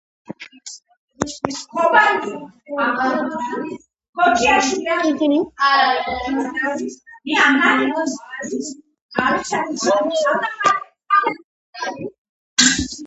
ამის გამო მას არც შვილი ჰყოლია და დარჩენილი ცხოვრება მარტოობაში გაატარა ნიდერლანდებში.